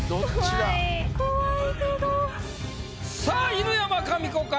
犬山紙子か？